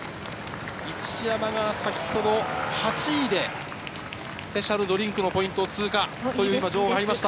一山が先ほど、８位でスペシャルドリンクのポイントを通過という情報が入りました。